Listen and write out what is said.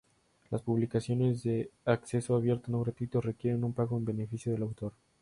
Las publicaciones de acceso abierto no gratuito requieren un pago en beneficio del autor.